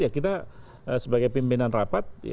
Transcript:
ya kita sebagai pimpinan rapat